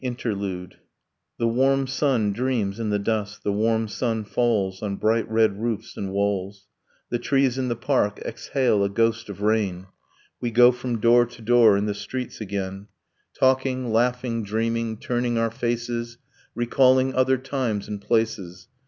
INTERLUDE The warm sun dreams in the dust, the warm sun falls On bright red roofs and walls; The trees in the park exhale a ghost of rain; We go from door to door in the streets again, Talking, laughing, dreaming, turning our faces, Recalling other times and places